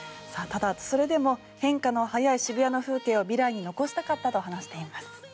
ただ、それでも変化の速い渋谷の風景を未来に残したかったと話しています。